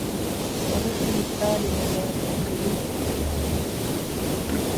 korosho ni zao linalowatajirisha sana wananchi